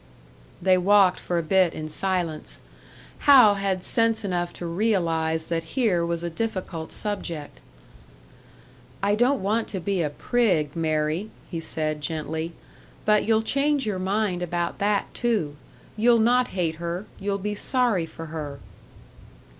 They walked for a bit in silence. Hal had sense enough to realise that here was a difficult subject. "I don't want to be a prig, Mary," he said gently; "but you'll change your mind about that, too. You'll not hate her; you'll be sorry for her."